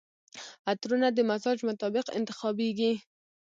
عطرونه د مزاج مطابق انتخابیږي.